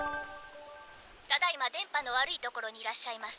「ただいま電波の悪い所にいらっしゃいます。